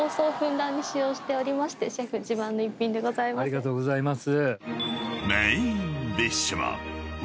ありがとうございます。